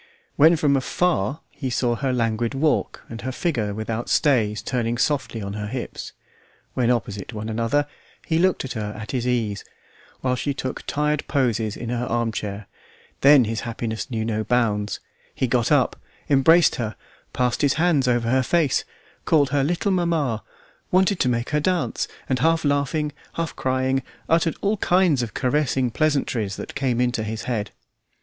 When from afar he saw her languid walk, and her figure without stays turning softly on her hips; when opposite one another he looked at her at his ease, while she took tired poses in her armchair, then his happiness knew no bounds; he got up, embraced her, passed his hands over her face, called her little mamma, wanted to make her dance, and half laughing, half crying, uttered all kinds of caressing pleasantries that came into his head.